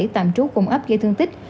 tạm trú cùng ấp gây thương tích